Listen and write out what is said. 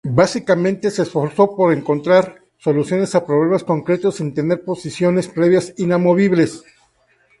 Básicamente, se esforzó por encontrar soluciones a problemas concretos sin tener posiciones previas inamovibles.